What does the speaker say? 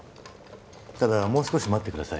ただもう少し待ってください